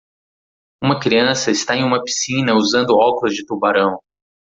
Uma criança está em uma piscina usando óculos de tubarão.